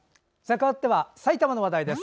かわっては埼玉の話題です。